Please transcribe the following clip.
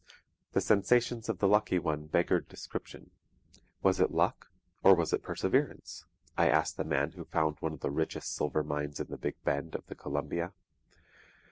The sensations of the lucky one beggared description. 'Was it luck or was it perseverance?' I asked the man who found one of the richest silver mines in the Big Bend of the Columbia.